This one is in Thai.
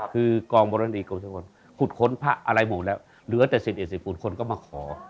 คือกองบรรณีกรมชะครขุดข้นผ้าอะไรหมดแล้วเหลือแต่๑๐๑๑คนก็มาขอ